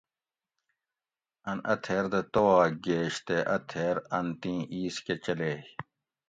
ان اۤ تھیر دہ تواک گیش تے اۤ تھیر ان تیں ایس کہ چلیئ